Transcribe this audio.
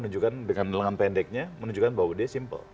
lenggan pendeknya menunjukkan bahwa dia simpel